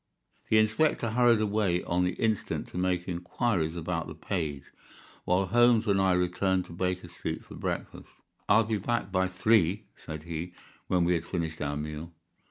The inspector hurried away on the instant to make inquiries about the page, while Holmes and I returned to Baker Street for breakfast. "I'll be back by three," said he, when we had finished our meal.